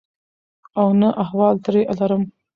او نه احوال ترې لرم.